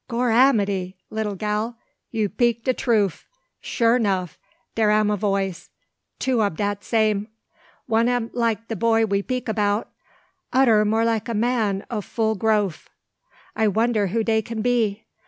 "Gorramity! little gal, you 'peak de troof. Sure 'nuff dere am a voice, two ob dat same. One am like de boy we 'peak 'bout, odder more like a man o' full groaf. I wonder who dey can be.